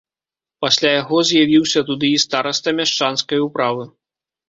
Пасля яго з'явіўся туды і стараста мяшчанскай управы.